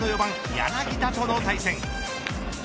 柳田との対戦。